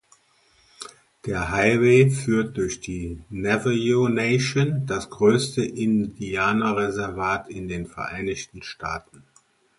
Der Highway führt durch die Navajo Nation, das größte Indianerreservat in den Vereinigten Staaten.